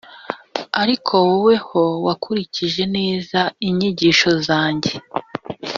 Ariko wowe ho wakurikije neza inyigisho zanjye